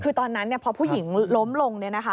คือตอนนั้นพอผู้หญิงล้มลงเนี่ยนะคะ